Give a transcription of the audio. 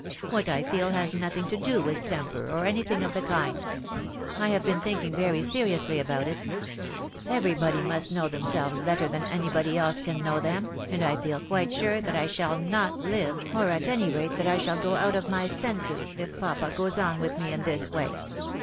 What I feel has nothing to do with temper, or anything of the kind. I have been thinking very seriously about it. Everybody must know themselves better than anybody else can know them, and I feel quite sure that I shall not Uve, or at any rate that I shall go out of my senses, if papa goes on with me in this way.